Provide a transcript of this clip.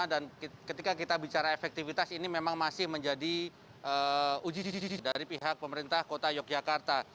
dan ketika kita bicara efektivitas ini memang masih menjadi uji ujiji dari pihak pemerintah kota yogyakarta